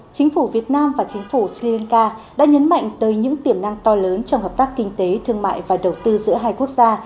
chính phủ việt nam và chính phủ sri lanka đã nhấn mạnh tới những tiềm năng to lớn trong hợp tác kinh tế thương mại và đầu tư giữa hai quốc gia